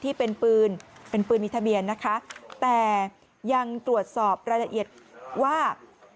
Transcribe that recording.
ที่เป็นปืนเป็นปืนมีทะเบียนนะคะแต่ยังตรวจสอบรายละเอียดว่า